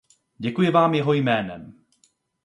Děkuji vám jeho jménem.